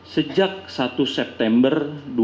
sejak satu september